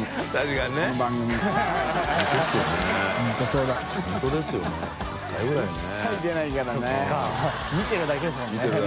そうか見てるだけですもんね。